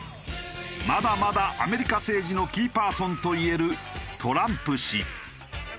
まだまだアメリカ政治のキーパーソンといえるトランプ氏。